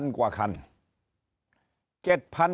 ๗๐๐๐กว่าคัน